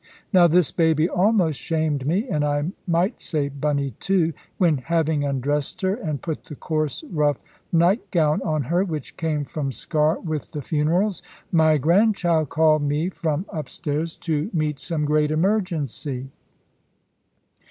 Now this baby almost shamed me, and I might say Bunny too, when, having undressed her, and put the coarse rough night gown on her, which came from Sker with the funerals, my grandchild called me from up stairs, to meet some great emergency.